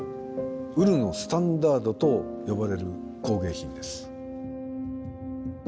「ウルのスタンダード」と呼ばれる工芸品です。